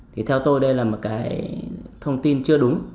thì theo tôi đây là một cái thông tin chưa đúng